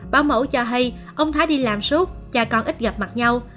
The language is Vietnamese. báo mẫu cho hay ông thái đi làm suốt cha con ít gặp mặt nhau